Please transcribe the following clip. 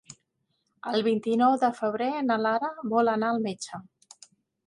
El vint-i-nou de febrer na Lara vol anar al metge.